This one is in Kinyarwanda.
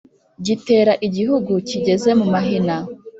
gitera igihugu kigeze mu mahina.